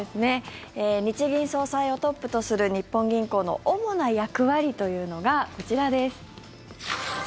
日銀総裁をトップとする日本銀行の主な役割というのがこちらです。